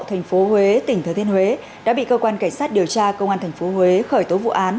thành phố huế tỉnh thừa thiên huế đã bị cơ quan cảnh sát điều tra công an tp huế khởi tố vụ án